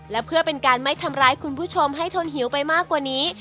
และเพื่อเป็นการไม่ทำร้ายคุณผู้ชมให้ทนหิวไปมากกว่านี้